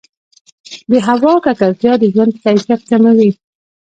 د هوا ککړتیا د ژوند کیفیت کموي.